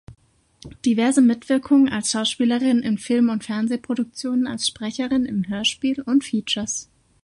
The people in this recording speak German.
Diverse Mitwirkung als Schauspielerin in Film- und Fernsehproduktionen, als Sprecherin in Hörspiel und Features.